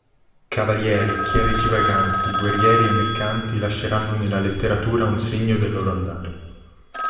Cavalieri, chierici vaganti, guerrieri e mercanti lasceranno nella letteratura un segno del loro andare.